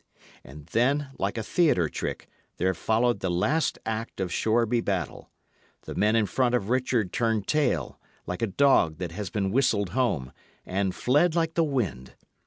And then, like a theatre trick, there followed the last act of Shoreby Battle. The men in front of Richard turned tail, like a dog that has been whistled home, and fled like the wind.